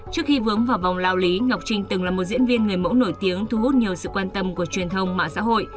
trước khi vướng vào vòng lao lý ngọc trinh từng là một diễn viên người mẫu nổi tiếng thu hút nhiều sự quan tâm của truyền thông mạng xã hội